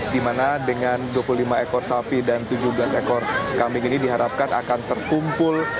dimana dengan dua puluh lima ekor sapi dan tujuh belas ekor kambing ini diharapkan akan terkumpul